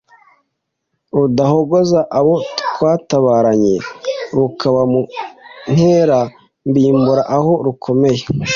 Rudahogoza abo twatabaranye. Rukabu mu nkera mbimbura aho rukomeye